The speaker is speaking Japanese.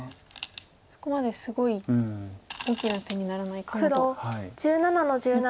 そこまですごい大きな手にならないかもと見て。